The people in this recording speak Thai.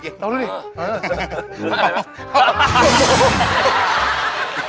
จริงเอาดูดิ